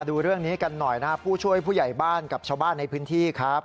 ดูเรื่องนี้กันหน่อยนะครับผู้ช่วยผู้ใหญ่บ้านกับชาวบ้านในพื้นที่ครับ